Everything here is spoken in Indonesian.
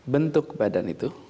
bentuk badan itu